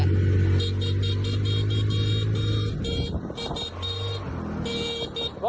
วีบพื้น